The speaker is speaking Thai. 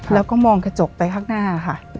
แล้วก็มองกระจกไปข้างหน้าค่ะ